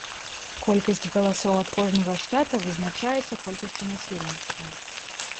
Колькасць галасоў ад кожнага штата вызначаецца колькасцю насельніцтва.